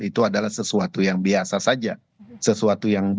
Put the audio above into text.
itu adalah sesuatu yang biasa saja